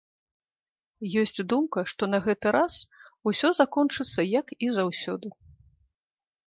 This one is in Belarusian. Ёсць думка, што на гэты раз усё закончыцца, як і заўсёды.